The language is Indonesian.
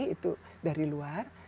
itu dari luar